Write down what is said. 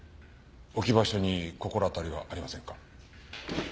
置き場所に心当たりはありませんか？